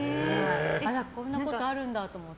こんなことあるんだって思って。